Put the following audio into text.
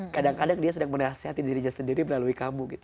kadang kadang dia sedang menasehati dirinya sendiri melalui kamu gitu